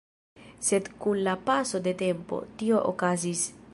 Sed kun la paso de tempo, tio okazis.